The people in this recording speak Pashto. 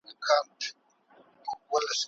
دغه کیمیاوي مواد د شدید سر درد سبب ګرځي.